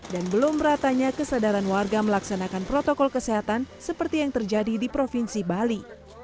dan belum ratanya kesadaran warga melaksanakan protokol kesehatan seperti yang terjadi di provinsi bali